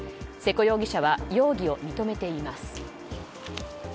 瀬古容疑者は容疑を認めています。